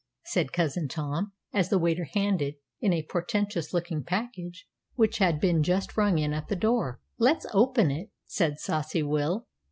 said Cousin Tom, as the waiter handed in a portentous looking package, which had been just rung in at the door. "Let's open it," said saucy Will.